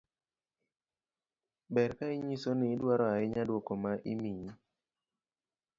ber ka inyiso ni idwaro ahinya duoko ma imiyi